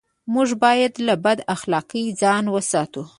موږ بايد له بد اخلاقۍ ځان و ساتو.